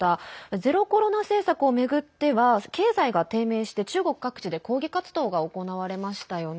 ゼロコロナ政策を巡っては経済が低迷して中国各地で抗議活動が行われましたよね。